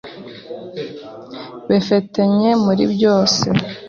befetenye muri byose.